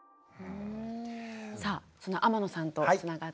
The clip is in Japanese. さあその天野さんとつながっています。